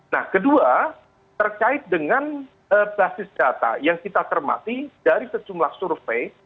nah kedua terkait dengan basis data yang kita termati dari sejumlah survei